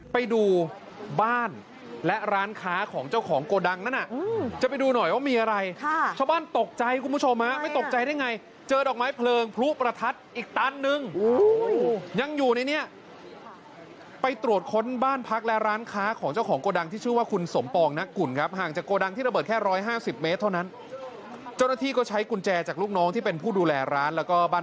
ไปดูบ้านและร้านค้าของเจ้าของโกดังนั้นจะไปดูหน่อยว่ามีอะไรชาวบ้านตกใจคุณผู้ชมฮะไม่ตกใจได้ไงเจอดอกไม้เพลิงพลุประทัดอีกตันนึงยังอยู่ในนี้ไปตรวจค้นบ้านพักและร้านค้าของเจ้าของโกดังที่ชื่อว่าคุณสมปองนักกุ่นครับห่างจากโกดังที่ระเบิดแค่๑๕๐เมตรเท่านั้นเจ้าหน้าที่ก็ใช้กุญแจจากลูกน้องที่เป็นผู้ดูแลร้านแล้วก็บ้าน